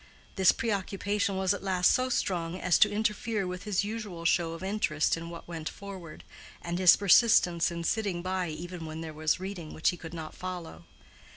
This preoccupation was at last so strong as to interfere with his usual show of interest in what went forward, and his persistence in sitting by even when there was reading which he could not follow.